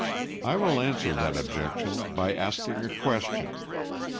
I will answer that objection by asking a question.